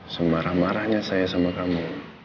semarah marahnya saya sama kamu